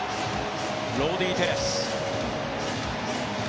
ロウディ・テレス。